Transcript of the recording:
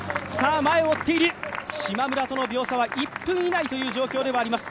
前を追っているしまむらとの秒差は１分以内という状況であります。